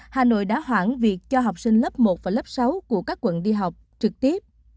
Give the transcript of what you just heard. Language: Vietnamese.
hà nội đã hoãn việc cho học sinh lớp một và lớp sáu của các quận đi học trực tiếp